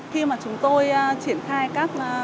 khi mà chúng tôi triển khai các